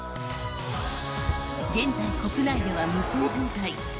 現在国内では無双状態。